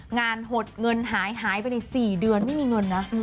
หดเงินหายหายไปใน๔เดือนไม่มีเงินนะ